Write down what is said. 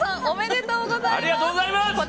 おめでとうございます。